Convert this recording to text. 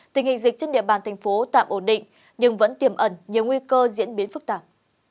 tình hình dịch trên địa bàn thành phố tạm ổn định nhưng vẫn tiềm ẩn nhiều nguy cơ diễn biến phức tạp